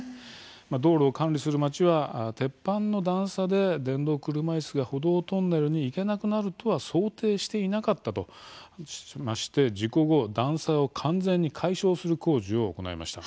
道路を管理する町は鉄板の段差で電動車いすが歩道トンネルに行けなくなるとは想定していなかったとして事故後、段差を完全に解消する工場を行いました。